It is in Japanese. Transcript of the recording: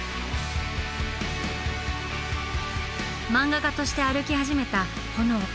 漫画家として歩き始めたホノオ。